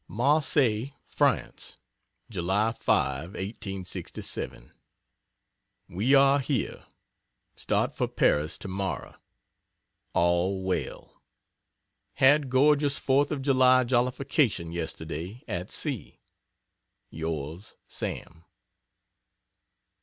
MARSEILLES, FRANCE, July 5, 1867. We are here. Start for Paris tomorrow. All well. Had gorgeous 4th of July jollification yesterday at sea. Yrs. SAM.